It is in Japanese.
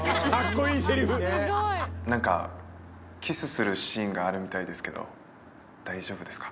なんか、キスするシーンがあるみたいですけど、大丈夫ですか？